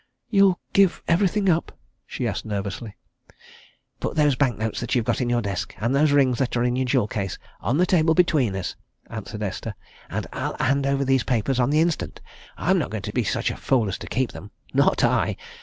"You'll give everything up?" she asked nervously. "Put those bank notes that you've got in your desk, and those rings that are in your jewel case, on the table between us," answered Esther, "and I'll hand over these papers on the instant! I'm not going to be such a fool as to keep them not I!